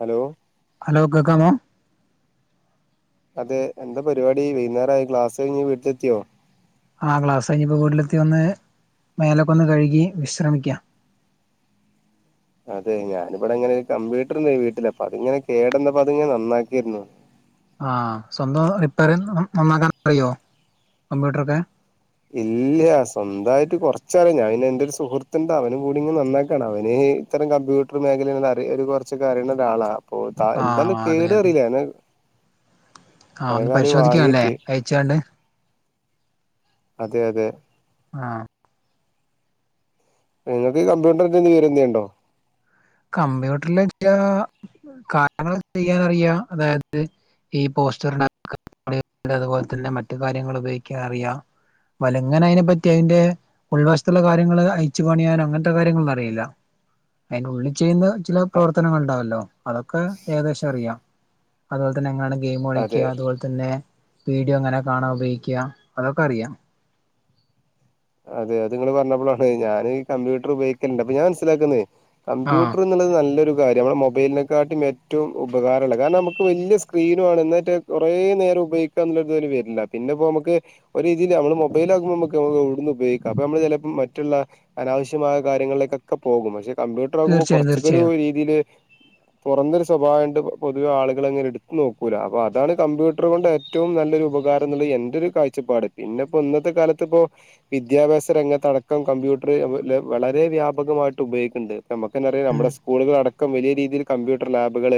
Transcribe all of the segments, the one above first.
Hello ഹലോകേൾക്കാമോ അതെ എന്താ പരിപാടി വൈകുന്നേരമായി ക്ലാസ് കഴിഞ് വീട്ടില എത്തിയോ ആ ക്ലാസ് കഴിഞ്ഞ ഇപ്പോ വീട്ടിലെത്തി ഒന്ന് മേലക്കെന്ന് കഴുകി വിശ്രമിക്കാ [unintelligible] അതെ ഞാനിവിടെങ്ങനെ ഒരു അത്‌ ഞാൻ വിടെങ്ങനെ കമ്പ്യൂട്ടർണ്ട് വീട്ടില അപ്പ അതിങ്ങെ കേടന്നപ്പോ അത്ങ്ങനെ നന്നാക്കിയിരുന്നു ആ സ്വന്തം റിപ്പയർ നന്നാക്കാൻ അറിയോ കമ്പ്യൂട്ടർൊക്കെ ഇല്ല സ്വന്തമായിട്ട് കൊറച്ചറഞ്ഞ അവെ എന്റെ ഒരു സുഹൃത്തിന്റെ അവന കൂടി ഇങ്ങെ നന്നാക്കാണ് അവന് ഇത്തരം കമ്പ്യൂട്ടർ മേഖല അ ഒരു കുറച്ചൊക്കെ അറിയൂന്നാ ഒരാളാണ് അപ്പ ആ എന്താണ് അതെ കേടു അതെ അറിയിലനെ ആ ഒന്ന് പരിശോധിക്കാല്ലേ കയച്ചണ്ട് അതെ അതെ ആ നിങ്ങക്ക് കമ്പ്യൂട്ടറിന്ന് വിവരം എന്ത്ണ്ടോ കമ്പ്യൂട്ടറിലൊക്കാ കാരണം ചെയ്യാനറിയാ അതായത് ഈ പോസ്റ്ററി അതുപോലെ തന്നെ മറ്റു കാര്യങ്ങൾ ഉപയോഗിക്കാ അറിയാം വല എങ്ങനെ അതിനെപ്പറ്റി അതിറെ ഉൾവശത്തുള്ള കാര്യങ്ങള് അയച്ചു പണിയാനും അങ്ങനത്തെ കാര്യങ്ങളന്ന അറിയില്ല അയിന്റുള്ളി ചെയ്യുന്ന ചില പ്രവർത്തനങ്ങള്ണ്ടാവല്ലോ അതൊക്കെ ഏകദേശം അറിയാം അതുപോലെ തന്നെ എങ്ങനാണ് അതെ ഗെയിമളിക്കാ അതുപോൽത്തന്നെ വീഡിയോ എങ്ങനെ കാണാ ഉപയോഗിക്കാ അതൊക്കറിയാം. അതെ അത് നിങ്ങള് പറഞ്ഞപ്പളാട്ടോ ഞാന് ഈ കമ്പ്യൂട്ടർ ഉപയോഗിക്കൽണ്ട് പ്പ ഞാൻ മനസ്സിലാക്കുന്നേ ആഹ് കമ്പ്യൂട്ടർ എന്നുള്ളത് നല്ലൊരു കാര്യ നമ്മടെ മൊബൈലിനെക്കാട്ടും ഏറ്റവും ഉപകാരള്ളെ കാരണമക്ക് വെല്ല്യ സ്ക്രീനുവാണ് എന്നിട്ട് കൊറേ നേരം ഉപയോഗിക്കാംന്നൊള്ളൊരിത് വരില്ല പിന്നെപ്പോമക്ക് ഒരു രീതിൽ നമ്മള് മൊബൈലാകുമ്പോ നമക്ക് [unintelligible] ഉപയോഗിക്കാം അപ്പ നമ്മള് ചെലപ്പം മറ്റുള്ള അനാവശ്യമായ കാര്യങ്ങളിലേക്കൊക്കെ പോകും പക്ഷെ കമ്പ്യൂട്ടർ ആകുമ്പോ തീർച്ചയായും കൊറച്ചൊക്കെ ഒരു തീർച്ചയായും രീതിയില് തുറന്നൊരു സ്വഭാവയൊണ്ട് പൊതുവെ ആളുകളങ്ങനെ എടുത്തു നോക്കൂല അപ്പോഅതാണ് കമ്പ്യൂട്ടർ കൊണ്ട് ഏറ്റവും നല്ലൊരു ഉപ വേറൊന്നുല്ല എന്റൊരു കാഴ്ചപ്പാട് പിന്നെപ്പോ ഇന്നത്തെ കാലത്തിപ്പോ വിദ്യാഭ്യാസ രംഗത്തടക്കം കമ്പ്യൂട്ടർ വളരെ വ്യാപകമായിട്ട് ഉപയോഗിക്ക്ണ്ട്. നമക്കെന്താറിയോ ഉം നമ്മടെ സ്കൂളുകളടക്കം വലിയ രീതില് കമ്പ്യൂട്ടർ ലാബുകൾ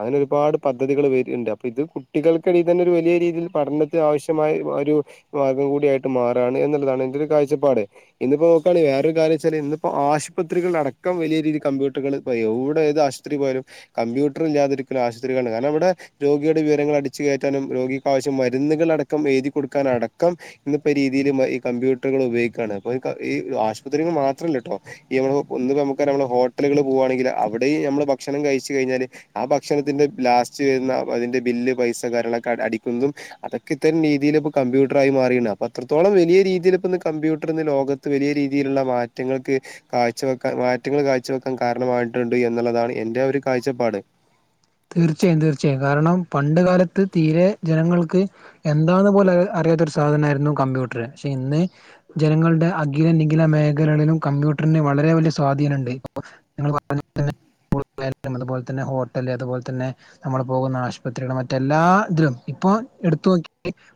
അങ്ങനെരുപാട് പദ്ധതികൾ വര്ണ്ട് അപ്പിത് കുട്ടികൾക്കിതന്നൊരു വെലിയ രീതിൽ പഠനത്തിന് ആവശ്യമായ ഒരു മാർഗം കൂടിയായിട്ട് മാറാണ് എന്നുള്ളതാണ് അ ര് കാഴ്ചപ്പാട് ഇന്നിപ്പോ നോക്കാണെ വേറൊരു കാര്യച്ചാല് ഇന്നപ്പ ആശുപത്രികളടക്കം വെലിയ രീതിൽ കമ്പ്യൂട്ടറുകൾ പ്പ എവിടെ ഏത് ആശുപത്രി പോയാലും കമ്പ്യൂട്ടർ ഇല്ലാതിരിക്കുന്ന ആശുത്രികാണ് കാരണം അവിടെ രോഗിയുടെ വിവരങ്ങൾ അടി ച്ച് കേറ്റാനും രോഗിക്കാശ്യം മരുന്നുകളടക്കം എഴുതി കൊടുക്കാനടക്കം ഇന്നിപ്പോ രീതിൽ ഈ കമ്പ്യൂ ട്ടുകൾ ഉപയോഗിക്കാണ് ഈ ആശുപത്രിന്ന് മാത്രല്ലട്ടോ ഈ നമ്മ ഇന്ന് നമ്മകറിയാവണ ഹോട്ടല്കള് പോ ണെങ്കിൽ അവിടെം നമ്മള് ഭക്ഷണം കഴിച്ചു കഴിഞ്ഞാല് ആ ഭക്ഷണത്തിന്റെ ലാസ്റ്റ് വരുന്ന അതിന്റെ ബില്ല് പൈസ ത്തെ കാര്യങ്ങളൊക്കെ അടിക്കുന്നതും അതക്കെത്തൻ രീതില് പ്പ കമ്പ്യൂട്ടറായി മാറിണ്ട് അപ്പത്രത്തോളം വെലിയ രീതില് ന്ന് കമ്പ്യൂട്ടറിന്ന് ലോകത്ത് വെലിയ രീതിയിലുള്ള മാറ്റങ്ങൾക്ക് കാഴ്ച വെക്കാൻ മാറ്റങ്ങള് കാഴ്ച വെക്കാൻ കാരണം മായിട്ടുണ്ട് എന്നുള്ളതാണ് എന്റെരു കാഴ്ചപ്പാട്. തീർച്ചയായും തീർച്ചയായും കാരണം പണ്ട് കാലത്ത് തീരെ ജനങ്ങൾക്ക് എന്താന്ന് പോലെ അറി ഒരു സാധനാരുന്നു കമ്പ്യൂട്ടർ പഷെ ഇന്ന് ജനങ്ങളുടെ അഖില നിഖില മേഖലകളിലും കമ്പ്യൂട്ടർ വളരെ വലിയ സ്വാധീനൊണ്ട് [unintelligible] അതുപോലെ തന്നെ ഹോട്ടല് അതുപോലെതന്നെ തന്നെ നമ്മള് പോകുന്ന ആശുപത്രികള് മറ്റെല്ലാ ഇതിലും ഇപ്പോ എടുത്ത് നോക്കി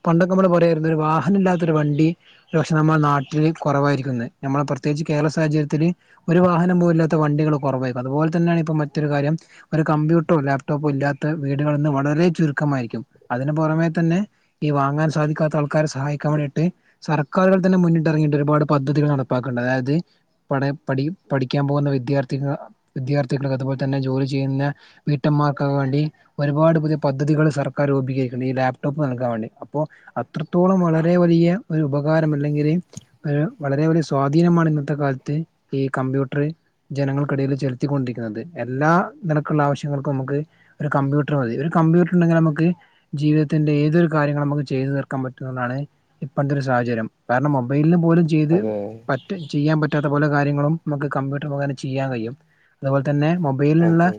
പണ്ടൊക്കെ നമ്മ പോരെത്തെ വാഹനമില്ലാത്തൊരു വണ്ടി ഒരക്ഷെ നമ്മടെ നാട്ടില് കൊറവായിരിക്കുന്ന് നമ്മളെ പ്രത്യേകിച്ച് കേരള സാഹചര്യ ത്തില് ഒരു വാഹനം പോല ഇല്ലാത്ത വണ്ടികള് കൊറവായിരുന്നു അതുപോൽത്തന്നാണ് ഇപ്പൊ മറ്റൊരു കാര്യം ഒരു കമ്പ്യൂട്ടറോ ലാപ് ട്ടോപ്പോ ഇല്ലാത്ത വീടികളിന്ന് വളരെ ചുരുക്കമായിരിക്കും അതിന് പൊറമെ തന്നെ ഈ വാങ്ങാൻ സാധിക്കാത്ത ആൾ ക്കാരെ സഹായിക്കാൻ വേണ്ടിയിട്ട് സർക്കാരുകൾ തന്നെ മുന്നിട്ടിറങ്ങിയിട്ട് ഒരുപാട് പദ്ധതികൾ നടപ്പാക്കണ്ട് അതായത് പടെ പഠി പഠിക്കാൻ പോവുന്ന വിദ്യാർത്ഥിക വിദ്യാർത്ഥികള് അതുപോലെ തന്നെ ജോലി ചെയ്യുന്ന വീ ട്ടമ്മാർക്കക്കെ വേണ്ടി ഒരുപാട് പുതിയ പദ്ധതികൾ സർക്കാർ രൂപീകരിക്കണ്ട് ഈ ലാപ്ടോപ്പ് നൽകാൻ വേണ്ടി അപ്പോ അത്രത്തോളം വളരെ വലിയ ഒരു ഉപകാരം അല്ലെങ്കിൽ വളരെ വലിയ സ്വാധീനമാണ് ഇന്നത്തെ കാൽ ത്ത് ഈ കമ്പ്യൂട്ടർ ജനങ്ങൾക്കിടയിൽ ചെലുത്തിക്കൊണ്ടിരിക്കുന്നത് എല്ലാ നിലക്കുള്ള ആവശ്യ ങ്ങൾക്കും മ്മക്ക് ഒരു കമ്പ്യൂട്ടർ മതി ഒരു കമ്പ്യൂട്ടർ ഉണ്ടെങ്കി അമക്ക് ജീവിതത്തിന്റെ ഏതൊരു കാര്യങ്ങളും നമുക്ക് ചെയ് ചെയ്ത് തീർക്കാൻ പറ്റുന്നതാണ് ഇപ്പഴ്ത്തെ ഒരു സാഹചര്യം കാരണം മൊബൈല് പോലും ചെയ്ത് അതെ പറ്റും ചെയ്യാൻ പറ്റ് പറ്റാത്ത പല കാര്യങ്ങളും മ്മക്ക് കമ്പ്യൂട്ടർ മുകേന ചെയ്യാൻ കഴിയും അതുപോൽ തന്നെ മൊബൈലിള്ള ഓക്കെ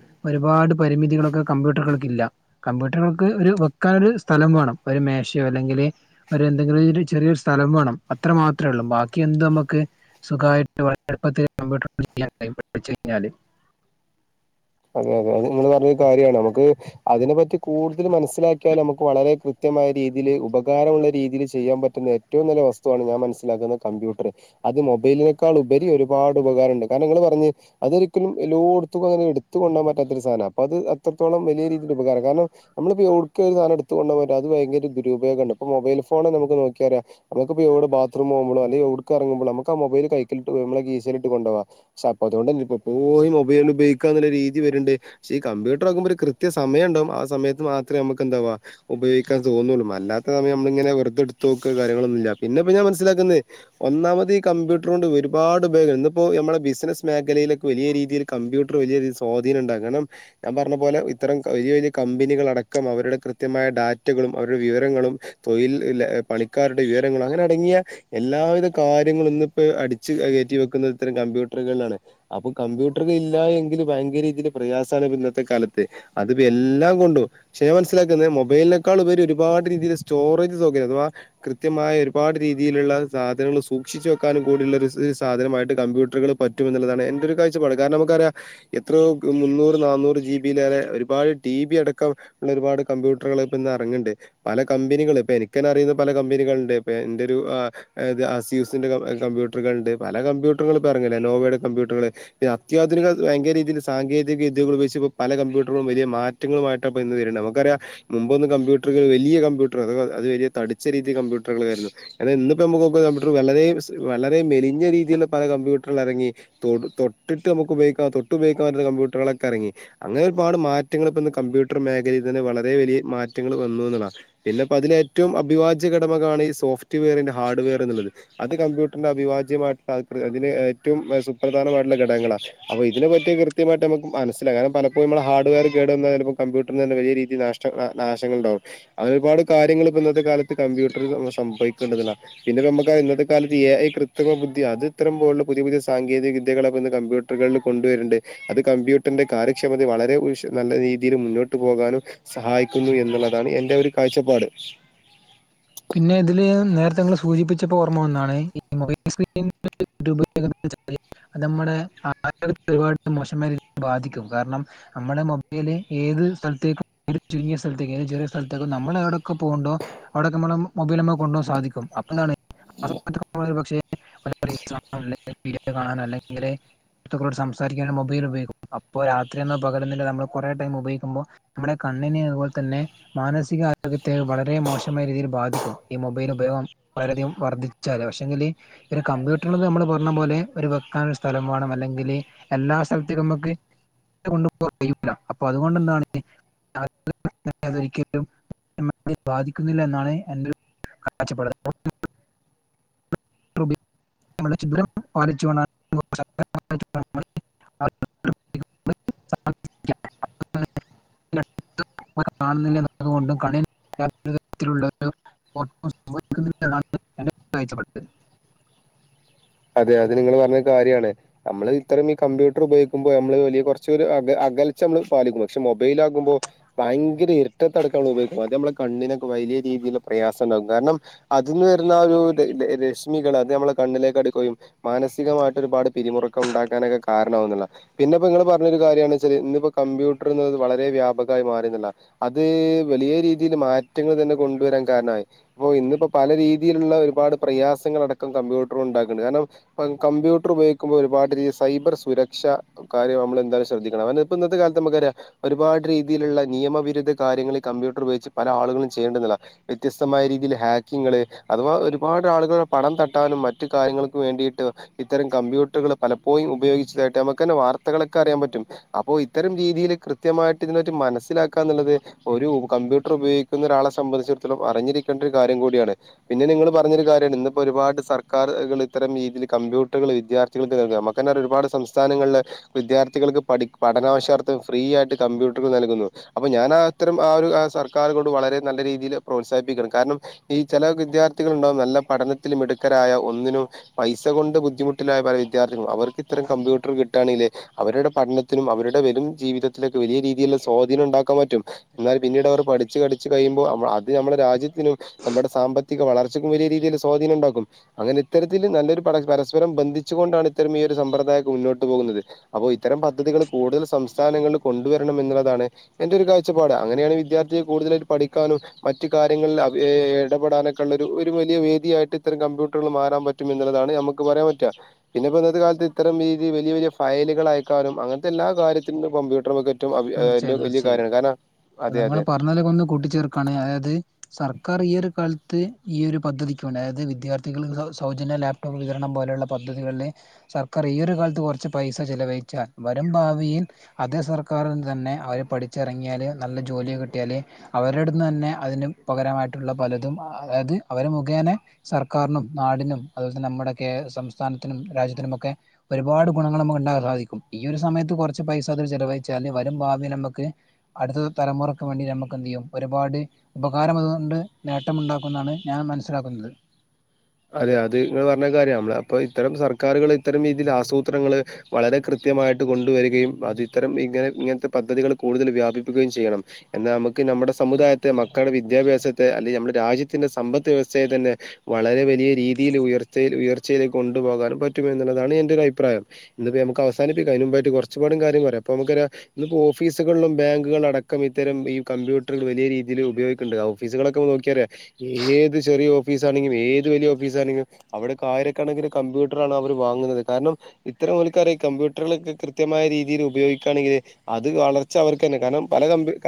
ഒരുപാട് പരിമിതികളൊക്കെ കമ്പ്യൂട്ടറുകൾക്കില്ല കമ്പ്യൂട്ടറുകൾക്ക് ഒരു വെക്കാനൊരു സ്ഥലം വേണം ഒരു മേശോ അല്ലെങ്കില് ഒര് എന്തെങ്കിലൊരു ചെറിയൊരു സ്ഥലം വാണം അത്ര മാത്രെ ഉള്ളൂ ബാക്കി എന്തു മക്ക് സ്വൊ [unintelligible] കഴിഞ്ഞാല്. അതെ അതെ അത് നിങ്ങള് പറഞ്ഞതു കാര്യാണ് നമുക്ക് അതിനെ പറ്റി കൂടുതൽ മനസ്സിലാക്കിയാല് നമുക്ക് വളരെ കൃത്യമായിട്ട് രീതില് ഉപകാരമുള്ള രീതിയില് ചെയ്യാൻ പറ്റുന്ന ഏറ്റവും നല്ല വസ്തുവാണ് ഞാൻ മനസ്സിലാക്കുന്നത് കമ്പ്യൂട്ടർ അത് മൊ മൊബൈലിനേക്കാൾ ഉപരി ഒരുപാട് ഉപകാരണ്ട് കാരണം നിങ്ങള് പറഞ്ഞ് അതൊരിക്കലും എല്ലോട്ത്തും അങ്ങനെ എടു ത്ത് കൊണ്ടോവാൻ പറ്റാത്തൊരു സാനാ അപ്പത് അത്രത്തോളം വലിയ രീതിയിലുപകാര കാരണം നമ്മളിപ്പോ [unintelligible] എടുത്ത് കൊണ്ടോവാൻപറ്റും അത് വയങ്കര ദുരുപയോഗാണ് ഇപ്പോ മൊബൈൽ ഫോണ് നമുക്ക് നോക്കിയാറിയാം നമുക്കിപ്പോ എവിടെ ബാത്റൂം പോവുമ്പളോ അല്ലങ്കി ഉടുക്കായെറങ്ങുമ്പളോ നമുക്കാ മൊബൈ കൈകിലിട്ട് മ്മളെ കീശേലിട്ട് കൊണ്ടോവാ ഷെ അപ്പ അതുകൊണ്ടന്നെപ്പപോയി മൊബൈല് ഉപയോഗികാനൊള്ളര് രീതി വരിണ്ട് പക്ഷെ ഈ കമ്പ്യൂട്ടർ ആക്കുമ്പോ ഒരു കൃത്യ സമയംണ്ടാവും ആ സമയത്ത് മാത്രം [unintelligible] അഥവാ ഉപയോഗിക്കാൻ തോന്നുള്ളു [unintelligible] സമയ നമ്മളിങ്ങനെ വെറുതെ എടുത്തോക്ക കാര്യങ്ങളോന്നൂല്യ പിന്നപ്പോ ഞാൻ മനസ്സിലാക്കുന്നത് ഒന്നാമതെ ഈ കമ്പ്യൂട്ടറോണ്ട് വൽ ഒരുപാട് ഉപയോഗ ഇന്നിപ്പോ നമ്മള ബിസിനസ് മേഖലയിലൊക്കെ വലിയ രീതിൽ കമ്പ്യൂട്ടർ വലിയരി [unintelligible] സ്വാധീനം ഇണ്ടാകണം ഞാൻ പറഞ്ഞ പോലെ ഇത്തരം വലിയ വലിയ കമ്പനികൾ അടക്കം അവരുടെ കൃത്യമായ ഡാറ്റക അവരുടെ വിവരങ്ങളും തൊയിൽ ഇല്ലെ പണിക്കാരുടെ വിവരങ്ങളാ അങ്ങനടങ്ങിയ എല്ലാവിധ കാര്യങ്ങള ഇന്നിപ്പോ അടിച്ചു കേറ്റി വെക്കുന്നതിത്രേം കമ്പ്യൂട്ടറുകളാണ് അപ്പൊ കമ്പ്യൂട്ടറുകൾ ഇല്ല എങ്കില് ഭയ നല്ല രീതിൽ പ്രയാസാണ് ഇന്നത്തെ കാലത്ത് അത് എല്ലാം കൊണ്ടും ഷേ മനസ്സിലാക്കുന്നത് മൊബൈലിനെക്കാൾ ഉപ- ഒരുപാട് രീതി സ്റ്റോറേജ്സൊകെ അഥവാ കൃത്യമായ ഒരുപാട് രീതിയിലുള്ള സാധനങ്ങൾ സൂക്ഷിച്ച്- ക്കാനും കൂടിയുള്ള ഒരു സ് സാധനമായിട്ട് കമ്പ്യൂട്ടറുകൾ പറ്റുമെന്ന്ള്ളതാണ് എന്റെ ഒരു കാഴ്ചപ്പാട് കാരണം നമുക്കറിയാം ഹ് എത്രയോ മുന്നൂറ് നാന്നൂറ് ജി ബിയിലേറെ ഒരുപാട് ടി ബി അടക്കം ഉള്ള ഒരുപാട് കമ്പ്യൂട്ടറുകൾ ഇപ്പോ ഇന്ന് എറങ്ങിണ്ട് പല കമ്പനികള് പ്പ എനിക്കന്നറിയുന്ന പല കമ്പനികള്ണ്ട്. പ്പെന്റെരു അ [unintelligible] [unintelligible] കമ്പ്യൂട്ടറ്കള്ണ്ട് പല കമ്പ്യൂട്ടറുകൾ പ്പെറങ്ങിലനോവേടെ കമ്പ്യൂട്ടറുകള് ഈ അത്യാധുനിക തിന്സാങ്കേതിക വിദ്യകളുപയോഗിച്ച് ഇപ്പോ പല കമ്പ്യൂട്ടറുകളും വലിയ മാറ്റങ്ങളുമായി [unintelligible] നമുക്കറിയാം മുമ്പൊന്ന് കമ്പ്യൂട്ടറ്കൾ വലിയ കമ്പ്യൂട്ടർ അ അത് വലിയ തടിച്ച രീതി കമ്പ്യൂട്ടറുകൾ [unintelligible] എടാ ഇന്നിപ്പോ നമ്മുക്കിപ്പോ കമ്പ്യുട്ടർ വളരെ വളരെ മെലിഞ്ഞ രീതിയിലുള്ള പല കമ്പ്യൂട്ടറൾ ഇറങ്ങി തൊ തൊട്ടിട്ട് മ്മ്ക്ക് ഉപയോഗിക്കാ തൊട്ടുപയോഗിക്കാപറ്റുന്ന കമ്പ്യൂട്ടറുകളൊക്കെ ഇറങ്ങി അങ്ങന ഒരുപാട് മാ- മാറ്റങ്ങളിപ്പോ ന്ന് കമ്പ്യൂട്ടർ മേഖലയിൽതന്നെ വളരെ വലിയ മാ- റ്റങ്ങൾ വന്നുന്ന്ള്ളത പിന്നെപ്പ അതിലേറ്റവും അഭിവാജ്യ ഘടമകാണ് ഈ സോഫ്റ്റ് വെയറിൻ ഹാർഡ് വെയറെന്നുള്ളത് അത് കമ്പ്യൂട്ടറിന്റെ അവിഭാജ്യമായിട്ടുള്ള അതിന് ഏറ്റവും സുപ്രധാനമായിട്ടുള്ള ഘടകങ്ങളാണ് അ അതിന പറ്റി കൃത്യമായിട്ട് നമുക്ക് മനസില കാരണം പലപ്പോഴും നമ്മള ഹാഡ്വെയർ കേട് വന്ന ചെലപ്പോ കമ്പ്യൂറിന് തന്ന വലിയ രീതി നഷ്ട നാശങ്ങൾണ്ടാവും അങ്ങന ഒരുപാട് കാര്യങ്ങളിപ്പൊ ഇന്നത്തെ കാലത്ത് കമ്പ്യൂട്ടർമ്മ സംഭവിക്കണ്ടല്ല പിന്നെ നമുക്ക് ഇന്നത്തെ കാലത്ത് എ ഐ കൃത്രിമ ബുദ്ധി അത് ഇത്രം പോലുള്ള പുതിയ പുതിയ സാങ്കേതിക വിദ്യകള കമ്പ്യൂട്ടറുകളില [unintelligible] കൊണ്ടുവരിണ്ട് അത് കമ്പ്യൂട്ടറിന്റെ കാര്യക്ഷമത വളരെ ഉഷ് നല്ല രീതിയിൽ മുന്നോട്ട് പോകാനും സഹായി ക്കുന്നു എന്നുള്ളതാണ് എന്റെ ഒരു കാഴ്ചപ്പാട് പിന്നെ ഇതില് നേരത്തെ ഇങ്ങൾ സൂചിപ്പിച്ചപ്പോ ഓർമ്മ വന്നാണ് ഈ മൊബൈൽ സ്ക്രീ [unintelligible] അതമ്മടെ ആരോഗ്യത്തി ഒരുപാട് മോശമായ രീതി ബാധിക്കും കാരണം നമ്മടെ മൊബൈല് ഏത് ഒരു സഥലത്തേക്കുംഏ ചുരിങ്ങിയ സ്ഥലത്തേക്ക് ഏത് ചെറിയ സ്ഥലത്തേക്ക് നമ്മൾ എവിടൊക്കെ പോകുന്നൊ അവിടക്കമ്മളം മൊബൈൽമ്മ കൊണ്ടു പോകാൻ സാധിക്കും [unintelligible] [unintelligible] ർത്തുക്കളോട് സംസാരിക്കാനും മൊബൈൽ ഉപയോഗിക്കും അപ്പോ രാത്രിയെന്നൊ പകലെന്നില്ല നമ്മള് കൊറെ ടൈം ഉപെയിക്കുമ്പോ നമ്മ്‌ടെ കണ്ണിന് അതുപോലെ തന്നെ മാനസികാരോഗ്യത്തെ വളരെ മോശ നുഷ്യൻമാരെ രീതീല് ബാധിക്കും. ഈ മൊബൈൽ ഉപയോഗം വളരെയധികം വർദ്ധിച്ചാല് പക്ഷെങ്കില് ഇവര് കമ്പ്യൂട്ടറ്കളില് നമ്മൾ പറഞ്ഞപോലെ ഒരു വെക്കാനൊരു സ്ഥലം വേണം അല്ലെങ്കില് എല്ലാ സ്ഥലത്തിലും അമ്മക്ക് [unintelligible] അപ്പൊ അതുകൊണ്ട ന്താണ് [unintelligible] അതൊരിക്കലും [unintelligible] വാദിക്കുന്നില്ല എന്നാണ് എന്റൊരു കാഴ്ചപ്പാട്. [unintelligible] [unintelligible] [unintelligible] [unintelligible] എന്നതുകൊണ്ടും [unintelligible] [unintelligible] അതെ അത് നിങ്ങള് പറഞ്ഞത് കാര്യാണ് അമ്മള് ഇത്തരം ഈ കമ്പ്യൂട്ടർ ഉപയോഗിക്കുമ്പോ നമ്മള് വലിയ കുറച്ച അക അ കൽച്ചമ്മൾ പാലിക്കും പക്ഷെ മൊബൈലാകുമ്പോ ഭയങ്കര ഇരിട്ടത്ത ടക്കം മ്മള് ഉപയോഗിക്കും അത് മ്മളെ കണ്ണിനൊക്കെ വൈ ഈ രീതില് പ്രയാസണ്ടാകും കാരണം അത് ന്ന് വര്ന്ന ഒരു രെ രെ രെശ്മികൾ അത് അമ്മളെ കണ്ണിലേക്ക് അട് ക്കുകയും മാനസികമായിട്ട് ഒരുപാട് പിരിമുറുക്കം ഉണ്ടാക്കാനൊക്കെ കാരണമാവുന്നുള്ളതാ പിന്നെപ്പോ ഇങ്ങള് പറഞ്ഞൊരുകാര്യണ് ചാല് ഇന്നിപ്പോ കമ്പ്യൂട്ടറ്ന്ന്ത് വളരെ വ്യാപകയി മാറിനുള്ള അത് വലിയ രീതിയിൽ മാറ്റങ്ങൾ തന്നെ- കൊണ്ടുവരാൻ കാര്നായി പ്പോ ഇന്ന്പ്പോ പല രീതിയിലുള്ള ഒരുപാട് പ്രയാസങ്ങളടക്കം കമ്പ്യൂട്ട്റോണ്ടാ ഉണ്ടാക്ക- ണ്ട് കാരണം കമ്പ്യൂട്ടർ ഉപയോഗിക്കുമ്പോ ഒരുപാട് ര് സൈബർ സുരക്ഷ കാര്യം നമ്മൾ എന്താലും ശ്രദ്ധിക്കണം. പ്പന്ന് പ്പന്നത്തെ കാലത്ത് നമക്കറിയാം ഒരുപാട് രീതിയില്ള്ള നിയമവിരുദ്ധ കാര്യങ്ങള് കമ്പ്യൂട്ടർ ഉപോഗച്ച് പല ആളുകളും ചെയ്യ രണ്ട് നല വ്യത്യസ്തമായ രീതിയിൽ ഹാക്കിങ്ള് അഥവാ ഒരുപാട് ആളുകള്ടെ പണം തട്ടാനും മറ്റ് - കാര്യങ്ങൾക്ക് വേണ്ടിയിട്ട് ഇത്തരം കമ്പ്യൂട്ടറുകൾ പലപ്പോഴ ഉയോഗിച്ചതായിട്ട് നമുക്ക് തന്ന വാർത്തകളൊക്കെ അറിയാൻ പറ്റും അപ്പോൊ ഇത്തരം രീതിയിൽ കൃത്യമായിട്ട് ഇതിനറ്റി മനസ്സിലാക്കാ എന്നുള്ളത് ഒരു കമ്പ്യൂട്ടർ ഉപയോഗിക്കുന്ന രാളെ സംബന്ധിച്ചിടത്തോം അറിഞ്ഞിരിക്കേണ്ട ഒരു കാര്യം കൂടിയാണ് പിന്നെങ്ങങ്ങള് പറഞ്ഞൊ കാര്യമാണ് ഇന്നപ്പോ ഒരുപാട് സ ുക ഇരം രീതിയിൽ കമ്പ്യൂട്ടറുകൾ വിദ്യാർത്ഥികൾ നമു ഒരുപാ സംസ്ഥാനങ്ങളിലില് വിദ്യാർത്ഥികൾ പഠനവശർത്ഥം ഫ്രീ ആയിട്ട് കമ്പ്യൂട്ടർ നൽകുന്നു അപ്പ ഞാനാത്തരം ആ ഒരു സർക്കാർ വളരെ നല്ല രീതിൽ പ്രോത്സാഹിപ്പിക്കണം കാരണം ഈ ചില വിദ്യാർത്ഥികള ഉണ്ടാവും നല്ല പഠനത്തിലും എടു ായ ഒന്നിനും പൈസ കൊണ്ട് ബുദ്ധിമുട്ടിലായ പല വിദ്യാർത്ഥികളും അവർക്ക് ഇത്രരം കമ്പ്യൂട്ടർ കിട്ടുകയാണങ്കേ അവരുടെ പഠനത്തിനും അവരുടെ വരും ജീവിതത്തിലക്കെ വലിയ രീതിയിലുള്ള സ്വാധീനം ഉണ്ടാക്കാൻ പറ്റും എന്നാലൽ പിന്നീട് അവർ അച്ച് പടച്ച് കഴിയുമ്പോ അത് നമ്മുടെ രാജ്യത്തി നും നമ്മുടെ സാമ്പത്തിക വളർച്ചക്കും വലിയ രീതിയിൽ സ്വാധീനം ഉണ്ടാക്കും അങ്ങനെ ഇത്തരത്തില്ൽ നല്ലൊരു പരസ്പരം ബന്ധിച്ചു കൊണ്ടാണ് ഇത്തരം ഈ ഒരു സമ്പ്രദായം മുന്നോട്ട് പോകുന്നത് അപ്പോൊ ഇത്തരം പദ്ധതികൾ കൂടുതൽ സംസ്ഥാനങ്ങളിൽ കൊണ്ടുവരണം എന്നുള്ളതാണ് എന്റെ ഒരു കാഴ്ചപ്പാട് അങ്ങനെയാണ് വിദ്യാർത്ഥിയ കൂടുതലായിട്ട പഠിക്കാനും മറ്റു കാര്യങ്ങളിൽ ഇടപെടാനൊക്കെ ഉള്ള ഒരു വലിയ വേദിയായിട്ട് ഇ കമ്പ്യൂട്ടറുകൾ മാറൻ പറ്റും എന്നുള്ളതാണ് നമുക്ക് പറയാൻ പറ്റ പിന്നെ ഇന്നത്തെ കാലത്ത് ഇത്തരം രീതി വലിയ വലിയ ഫയല കളയക്കാനും അങ്ങനത്തെ എല്ലാ കാര്യത്തിലും കമ്പ്യൂട്ടർുംക്ക റ്റ വലിയ കാര്യമാണ് കാരണം അ അതെ അതെ നിങ്ങള്ൾ പറഞ്ഞലക്കെ ഒന്ന് കൂട്ടിച്ചേർക്കാണ് അതായത് സർക്കാർ ഈ ഒരു കാലത്ത് ത്ത് ഈയ ഒരു പദ്ധതിക്കുംണ്ട് അായ വിദ്യാർത്ഥികൾ സൗജന്യ ലാപ്ടോപ്പ് വിതരണം പോലെയുള്ള പദ്ധതികളിൽ സർക്കാർ ഈ ഒരു കാലത്ത് കുറച്ച് പൈസ ചിലവഴിച്ചാൽ വരും ഭാവിയിൽ അതേ സർ ആക്കാരിൽന്ന് തന്നെ അവർ പഠിച്ചിറങ്ങിയാൽ നല്ല ജോലിയ കിട്ടിയാല് അവരുടെടു നിന്ന് തന്നെ അതിന് പകരമായിട്ട പലതും അതായത് അവ മുഖേന സർക്കാരിനും നാടിനും അതുപോലെ തന്നെ നമ്മുടെ സംസ്ഥാന ാനത്തിും രാ്ജി ത്തിനൊക്കെ ഒരുപാട് ഗുണങ്ങൾ നമു ഉണ്ടാൻ സാധിക്കും ഈ ഒരു സമയത്ത് കുറച്ച് പൈസ അൊ ചിലവ വല് വരും ഭാവി നമുക്ക് അടുത്ത തലമുറക്ക് വേണ്ടി നമുക്ക് എന്ത് ചെയ്യും ഒരുപാട് ഉപകാരം ണ്ട് നേട്ടമുണ്ടാക്കുമുന്നാണ് ഞാൻ മനസ്സിലാക്കുന്നത് അതെ അത്ങ്ങെ പറഞ്ഞ കാര്യം നമ്മള് അപ്പൊ ഇത്തരം സർ സക്കറുകൾ ഇത്തരം രീതിയിൽ ആസൂത്രങ്ങൾ വളരെ കൃത്യമായിട്ട് കൊണ്ടുവരികയും അതിത്തരം ഇങ്ങനെ ഇങ്ങനത്തെ പദ്ധതികൾ കൂടുതൽ വ്യാപിപ്പിക്കുകയും ചെയ്യണം. എന്നാൽ നമുക്ക് നമ്മുടെ സമുദായത്തെ മക്കളുടെ വിദ്യാഭ്യാസത്തെ അല്ലെ നമ്മുടെ രാജ്യത്തിന്റെ സമ്പദ് വ്യവസ്ഥയെ തന്നെ വളരെ വല്യ രീതിയി ഉയർച്ചൽ ഉയർച്ചയിലേക്ക് കൊണ്ടുപോകാനും പറ്റും എന്നുള്ളാണ് എന്റെ ഒരു അഭിപ്രായം. ഇന്ന് പ്പ നമുക്ക് അവസാനി അയിന് മുന്പായിട്ട് കൊറച്ചും കൂടി കാര്യം പറയാം പ്പ മ്മക്കറിയ ഇന്ന് പ്പൊ ഓഫീസുകളിലും ബാങ്കുകൾ ലും അടക്കം ഇത്തരം ഈ കമ്പ് ട്ടറുകൾ വല്യ രീതിയിൽ ഉപയോഗിക്കണ്ട് ഓഫീസുകളൊക്കെ നോക്കിയ ഏത് ചെറിയ ഓഫീസ് ആണെങ്കിലും ഏത് വലിയ ഓഫീസ് ആണെങ്കിൽ അവിടെക്കെ ആയിരക്കണക്കി കമ്പ്യൂട്ടർ ആണ് അവർ വാങ്ങുന്നത്. കാരണം ഇത്തറ ഓൽക്കറിയകമ്പൂട്ടർ ട്ടർ കൃത്യമായ രീതിയില് ഉപയോഗിക്കാണെങ്കിൽ അത് വളർച്ച അവർക്കെന്നെ കാരണം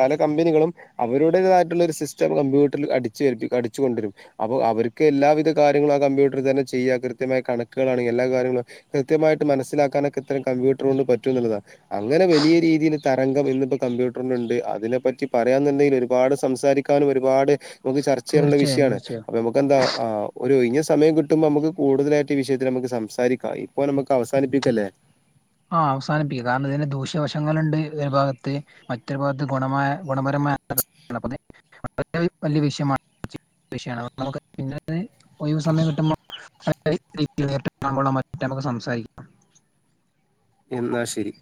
പല കമ്പനികളും അവരുടേതായിട്ടുള്ള സിസ്റ്റം കമ്പ്യൂറിൽ അടിച്ചേൽപ്പിക്കും അടിച്ചു കൊണ്ടരും. അപ്പൊ അവർക്ക് എല്ലാവിധ കാര്യങ്ങൾ ആ കമ്പ്യൂട്ടർ തന്നെ ചെയ്യുക കൃത്യമായ കണക്കുകളാണെങ്ക എല്ലാ കാര്യങ്ങളും കൃത്യമായിട്ട് മനസ്സിലാക്കാനൊക്കെ ഇ കമ്പ്യൂട്ടർ കൊണ്ട് പറ്റുന്നുള്ളതാ. അങ്ങനെ വലിയ രീതിൽ തരംഗം ഇന്ന് പ്പൊ കമ്പ്യൂട്ടർ ന് ണ്ട്. അതിനെ പറ്റി പറയാ ഒരുപാട് സംസാരിക്കാനും ഒരുപാട് നമുക്ക് ചർച്ച ചെയ്യാനുള്ള വിഷയാ തീർച്ചയായും ണ്. തീർച്ചയായും അപ്പൊ നമുക്ക് എന്താ ആ ഇനി സമയം കിട്ടുമ്പോ നമുക്ക് കൂടുതലായിട്ട് വിഷയത്തിൽ നമുക്ക് സംസാരിക്കാം ഇപ്പൊ നമുക്ക് അവസാനിപ്പിക്കല്ലേ ആഹ അവസാനിപ്പിക്ക കാരണം ഇതിന് ദൂഷ്യവശങ്ങളുണ്ട് ഒരു ഭാഗത്ത് മറ്റൊരു ഭാഗത്ത് ഗുണമായ ഗുണപരമായ വള വലിയ വിഷയമാണ് വിഷയാണ് അ നമുക്ക് പിന്ന ഒയിവ് സമയം കിട്ടുമ്പോ [unintelligible] നമുക്ക് സംസാരിക്കാം എന്നാ ശരി